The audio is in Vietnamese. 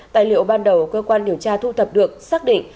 tài liệu ban đầu cơ quan điều tra thu thập được xác định